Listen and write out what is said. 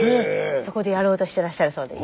そこでやろうとしてらっしゃるそうです。